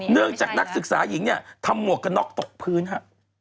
เนื่องจากนักศึกษาหญิงเนี่ยทำหมวกกันน็อกตกพื้นฮะ